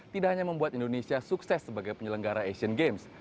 tidak hanya membuat indonesia sukses sebagai penyelenggara asian games